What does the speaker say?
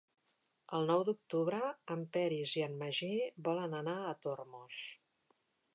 El nou d'octubre en Peris i en Magí volen anar a Tormos.